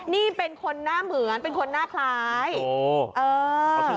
นี่เป็นคนหน้าเหมือนเป็นคนหน้าคล้าย